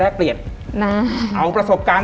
เปลี่ยนนะเอาประสบการณ์